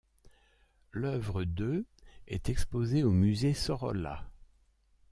L'œuvre de est exposée au musée Sorolla.